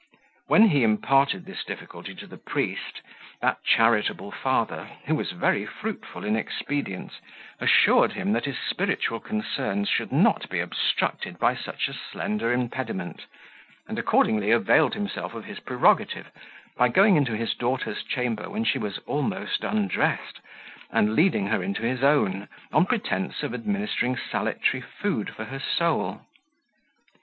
When he imparted this difficulty to the priest, that charitable father, who was very fruitful in expedients, assured him that his spiritual concerns should not be obstructed by such a slender impediment; and accordingly availed himself of his prerogative, by going into his daughter's chamber when she was almost undressed, and leading her into his own, on pretence of administering salutary food for her soul.